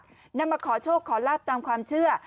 นำมาขอโชคขอลาบตามความเชื่อ